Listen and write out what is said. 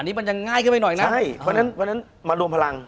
นี่มันยังง่ายขึ้นไปหน่อยนะใช่เพราะฉะนั้นมารวมพลัง